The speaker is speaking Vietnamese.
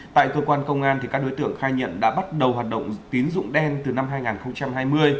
tại cơ quan công an các đối tượng khai nhận đã bắt đầu hoạt động tín dụng đen từ năm hai nghìn hai mươi